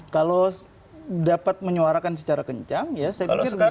kalau dapat menyuarakan secara kencang ya saya pikir bisa